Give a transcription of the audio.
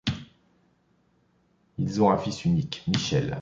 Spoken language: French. Ils ont un fils unique, Michel.